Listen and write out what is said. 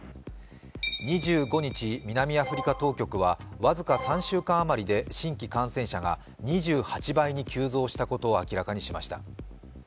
２５日、南アフリカ当局は僅か３週間あまりで新規感染者が２８倍に急増したことを明らかにしました。